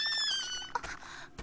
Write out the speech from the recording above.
あっ！